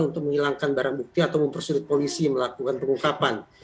untuk menghilangkan barang bukti atau mempersulit polisi melakukan pengungkapan